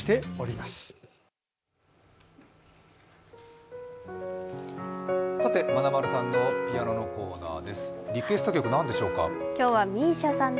まなまるさんのピアノのコーナーです。